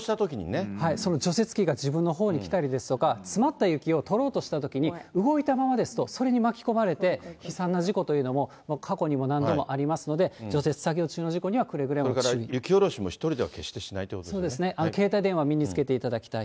その除雪機が自分のほうに来たりですとか、詰まった雪を取ろうとしたときに動いたままですと、それに巻き込まれて、悲惨な事故というのも過去に何度もありますので、除雪作雪下ろしも１人では決してしそうですね、携帯電話を身につけていただきたい。